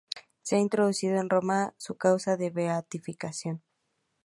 Se ha introducido en Roma su causa de beatificación.